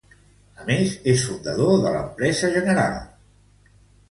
A més, és fundador de l'empresa General de Bienes Raíces.